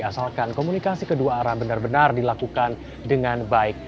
asalkan komunikasi kedua arah benar benar dilakukan dengan baik